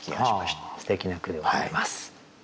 すてきな句でございます。